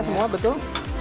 muscle nya semua betul